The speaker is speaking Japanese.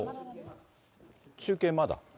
中継まだ？